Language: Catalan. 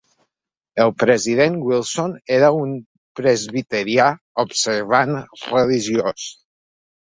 El president Wilson era un presbiterià observant religiós.